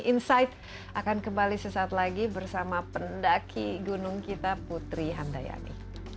insight akan kembali sesaat lagi bersama pendaki gunung kita putri handayani